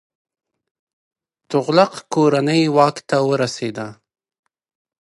تغلق کورنۍ واک ته ورسیده.